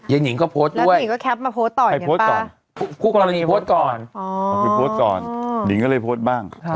ยังหญิงก็โพสต์ด้วยให้โพสต์ก่อนพูดกรณีโพสต์ก่อนหญิงก็เลยโพสต์บ้าง